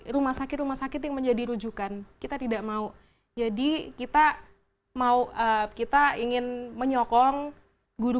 rumah sakit rumah sakit yang menjadi rujukan kita tidak mau jadi kita mau kita ingin menyokong guru